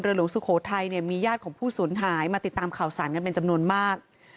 หลวงสุโขทัยเนี่ยมีญาติของผู้สูญหายมาติดตามข่าวสารกันเป็นจำนวนมาก